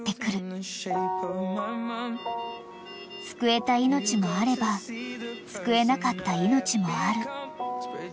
［救えた命もあれば救えなかった命もある］